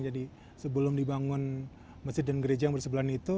jadi sebelum dibangun masjid dan gereja yang bersebelahan itu